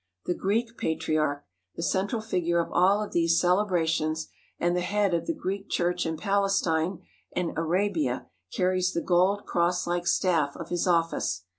The Greek Patriarch, the central figure of all of these cele brations and the head of the Greek Church in Palestine and Arabia, carries the gold cross like staff of his office.